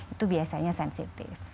itu biasanya sensitif